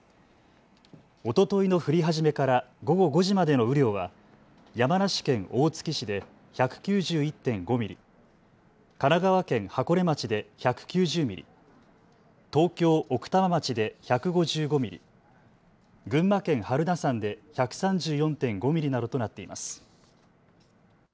おとといの降り始めから午後５時までの雨量は山梨県大月市で１９１．５ミリ、神奈川県箱根町で１９０ミリ、東京奥多摩町で１５５ミリ、群馬県榛名山で１３４．５ミリなどとなっています。